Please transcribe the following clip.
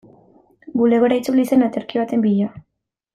Bulegora itzuli zen aterki baten bila.